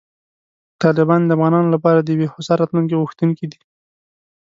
طالبان د افغانانو لپاره د یوې هوسا راتلونکې غوښتونکي دي.